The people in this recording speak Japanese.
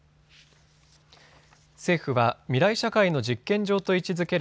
政府は未来社会の実験場と位置づける